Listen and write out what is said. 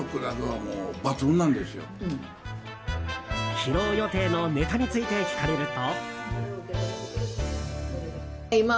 披露予定のネタについて聞かれると。